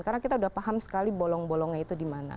karena kita sudah paham sekali bolong bolongnya itu di mana